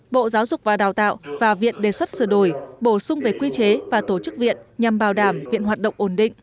bộ giáo dục và đào tạo và viện đề xuất sửa đổi bổ sung về quy chế và tổ chức viện nhằm bảo đảm viện hoạt động ổn định